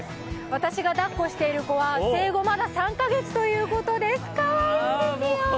私がだっこしている子はまだ生後３か月ということです、かわいいですよ。